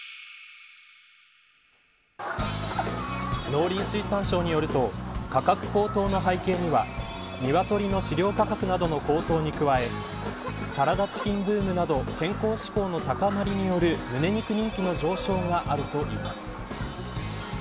農林水産省によると価格高騰の背景には鶏の飼料価格などの高騰に加えサラダチキンブームなど健康志向の高まりによるむね肉人気の上昇があるといいます。